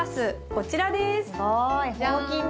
こちらです。